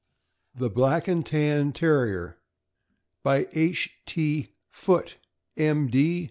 THE BLACK AND TAJST TERRIER. BY H. T. FOOTE, M.